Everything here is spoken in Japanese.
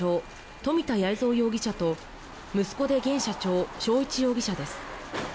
富田八重三容疑者と息子で現社長生一容疑者です。